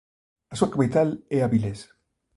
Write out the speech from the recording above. A súa capital é Avilés.